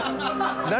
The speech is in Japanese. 何？